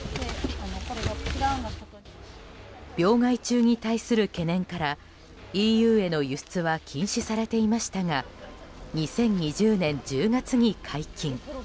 病害虫に対する懸念からＥＵへの輸出は禁止されていましたが２０２０年１０月に解禁。